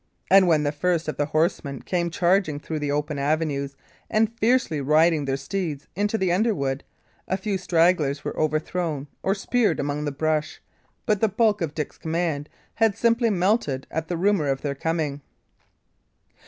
And when the first of the horsemen came charging through the open avenues and fiercely riding their steeds into the underwood, a few stragglers were overthrown or speared among the brush, but the bulk of Dick's command had simply melted at the rumour of their coming.